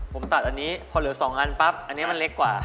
ผมตัดอันนี้พอเหลือ๒อันปั๊บอันนี้มันเล็กกว่า